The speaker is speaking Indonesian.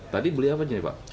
tadi beli apa aja ya pak